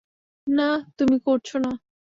না, তুমি করছ না।